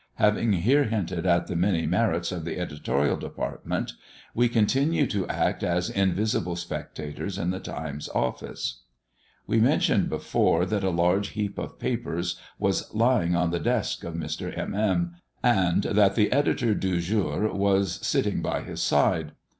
Having here hinted at the many merits of the editorial department, we continue to act as invisible spectators in the Times office. We mentioned before, that a large heap of papers was lying on the desk of Mr. M. M., and that the editor du jour was sitting by his side.